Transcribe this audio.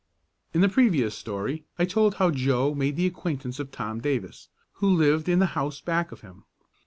In the previous story I told how Joe made the acquaintance of Tom Davis, who lived in the house back of him.